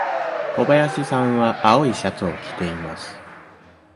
小林さんは青いシャツを着ています。